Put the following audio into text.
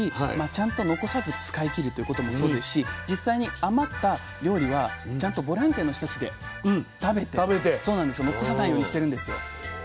ちゃんと残さず使い切るっていうこともそうですし実際に余った料理はちゃんとボランティアの人たちで食べて残さないようにしてるんですよ。